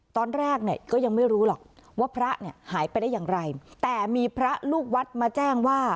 ตอนแรกเนี่ยก็ยังไม่รู้หรอกว่าพระเนี่ยหายไปได้อย่างไรแต่มีพระลูกวัดมาแจ้งว่า